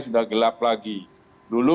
sudah gelap lagi dulu